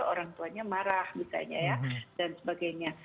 orang tuanya marah misalnya ya dan sebagainya